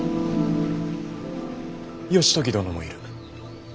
義時殿もいる。